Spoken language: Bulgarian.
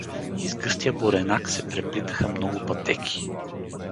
Из гъстия буренак се преплитаха много пътеки.